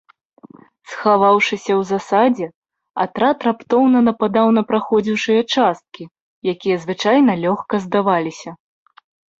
Схаваўшыся ў засадзе, атрад раптоўна нападаў на праходзіўшыя часткі, якія звычайна лёгка здаваліся.